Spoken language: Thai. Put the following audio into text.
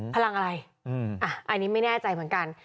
พลังอะไรอันนี้ไม่แน่ใจเหมือนกัน